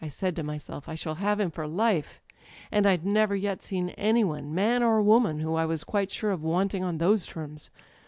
I said to myself: *I shall have him for life' â€" ^and I'd never yet seen any one, man or woman, whom I was quite sure of wanting on those terms.